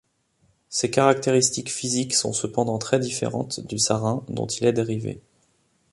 Ses caractéristiques physiques sont cependant très différentes du sarin dont il est dérivé.